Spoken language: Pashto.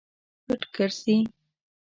پټ ګرځي.